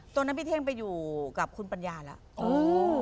ตอนนั้นพี่เท่งไปอยู่กับคุณปัญญาแล้ว